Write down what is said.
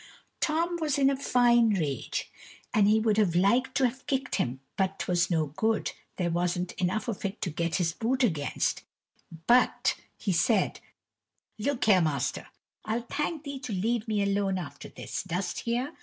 Tom was in a fine rage, and he would have liked to have kicked him, but 't was no good, there wasn't enough of it to get his boot against; but he said, "Look here, master, I'll thank thee to leave me alone after this, dost hear?